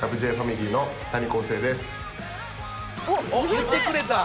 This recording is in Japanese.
言ってくれた！